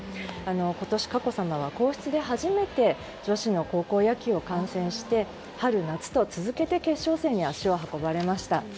今年、佳子さまは皇室で初めて女子の高校野球を観戦して春夏と続けて決勝戦に足を運ばれました。